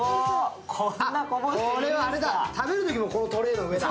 これはあれだ、食べるときもこのトレーの上だ。